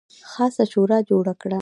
خاصه شورا جوړه کړه.